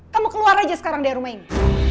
kamu keluar aja sekarang dari rumah ini